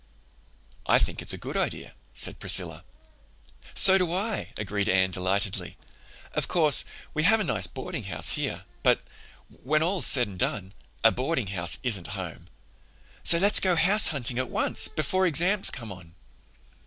"I think it's a good idea," said Priscilla. "So do I," agreed Anne delightedly. "Of course, we have a nice boardinghouse here, but, when all's said and done, a boardinghouse isn't home. So let's go house hunting at once, before exams come on."